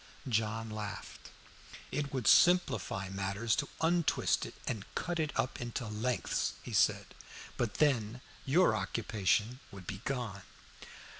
John laughed. "It would simplify matters to untwist it and cut it up into lengths," he said. "But then your occupation would be gone."